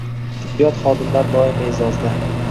Tibbiyot xodimlari doimo e’zozda